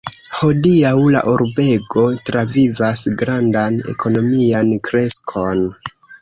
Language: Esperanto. Hodiaŭ la urbego travivas grandan ekonomian kreskon.